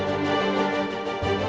kau gak sudah tahu